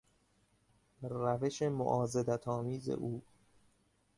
روش معاضدتآمیز او....